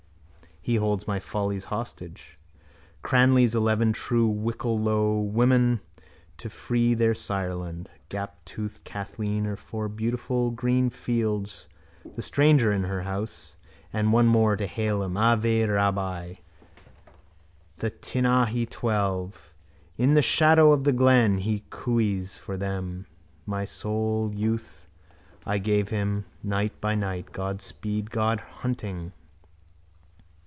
He holds my follies hostage. Cranly's eleven true Wicklowmen to free their sireland. Gaptoothed Kathleen, her four beautiful green fields, the stranger in her house. And one more to hail him: ave, rabbi: the Tinahely twelve. In the shadow of the glen he cooees for them. My soul's youth I gave him, night by night. God speed. Good hunting.